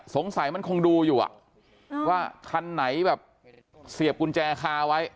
สงสัยมันคงดูอยู่ว่าคันไหนแบบเสียบกุญแจคาไว้